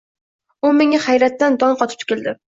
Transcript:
U menga hayratdan dong qotib tikildi: